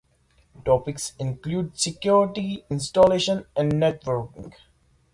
Topics include security, installation, and networking.